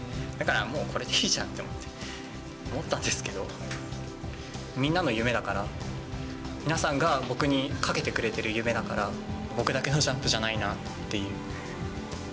だからもう、これでいいんじゃんと思って、思ったんですけど、みんなの夢だから、皆さんが僕にかけてくれてる夢だから、僕だけのジャンプじゃないなっていう。